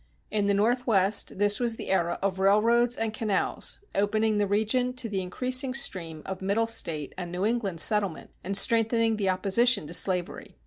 In the Northwest this was the era of railroads and canals, opening the region to the increasing stream of Middle State and New England settlement, and strengthening the opposition to slavery.